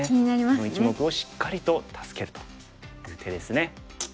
この１目をしっかりと助けるという手ですね。